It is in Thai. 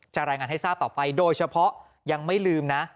รายงานให้ทราบต่อไปโดยเฉพาะยังไม่ลืมนะ